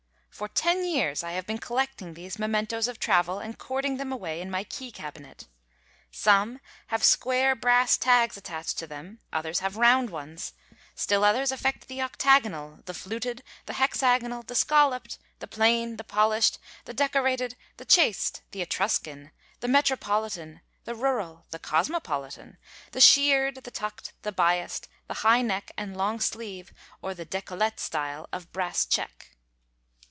For ten years I have been collecting these mementoes of travel and cording them away in my key cabinet. Some have square brass tags attached to them, others have round ones. Still others affect the octagonal, the fluted, the hexagonal, the scalloped, the plain, the polished, the docorated, the chaste, the Etruscan, the metropolitan, the rural, the cosmopolitan, the shirred, the tucked, the biased, the high neck and long sleeve or the decolette style of brass check.